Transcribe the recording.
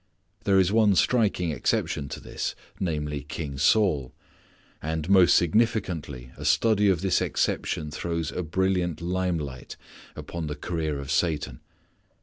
There is one striking exception to this, namely, King Saul. And most significantly a study of this exception throws a brilliant lime light upon the career of Satan.